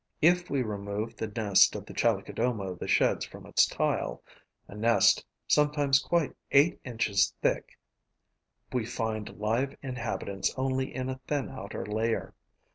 If we remove the nest of the Chalicodoma of the Sheds from its tile a nest sometimes quite eight inches thick we find live inhabitants only in a thin outer layer.